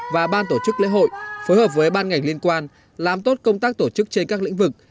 và ban tổ chức lễ hội phối hợp với ban ngành liên quan làm tốt công tác tổ chức trên các lĩnh vực